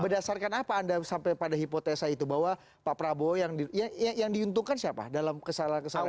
berdasarkan apa anda sampai pada hipotesa itu bahwa pak prabowo yang diuntungkan siapa dalam kesalahan kesalahan